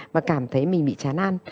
mà cảm thấy mình bị chán ăn